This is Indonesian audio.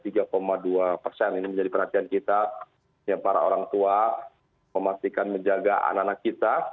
ini menjadi perhatian kita para orang tua memastikan menjaga anak anak kita